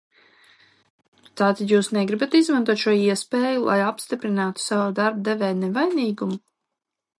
Tātad jūs negribat izmantot šo iespēju, lai apstiprinātu sava darba devēja nevainīgumu?